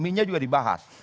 mie nya juga dibahas